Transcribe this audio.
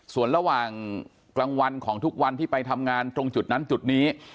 ส่วนระหว่างกลางวันของทุกวันที่ไปทำงานตรงจุดนั้นจุดนี้